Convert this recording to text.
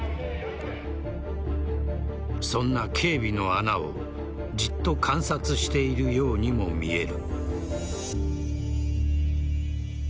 そんな警備の穴をじっと観察しているようにも見える。